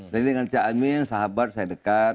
jadi dengan cak imin sahabat saya dekat